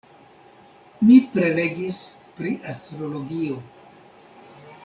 Mi prelegis pri Astrologio.